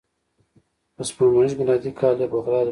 په سپوږمیز میلادي کال یې بغداد ونیو.